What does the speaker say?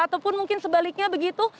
ataupun mungkin sebaliknya begitu